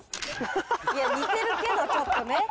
いや似てるけどちょっとね。